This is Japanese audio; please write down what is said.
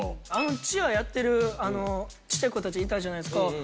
チアやってるちっちゃい子たちいたじゃないですか。